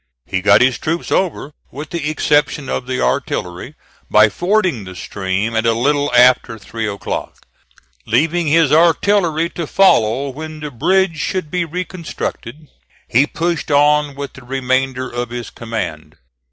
He got his troops over, with the exception of the artillery, by fording the stream at a little after three o'clock. Leaving his artillery to follow when the bridge should be reconstructed, he pushed on with the remainder of his command.